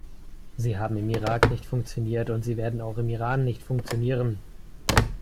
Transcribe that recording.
Sie haben im Irak nicht funktioniert, und sie werden auch im Iran nicht funktionieren.